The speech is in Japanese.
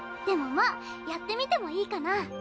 でもまぁやってみてもいいかな。